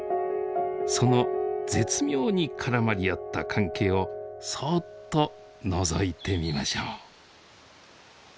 その絶妙に絡まり合った関係をそっとのぞいてみましょう。